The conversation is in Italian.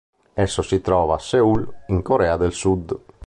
Esso si trova a Seul, in Corea del Sud.